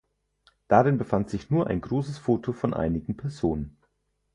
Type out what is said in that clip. Darin befand sich nur ein großes Foto von einigen Personen.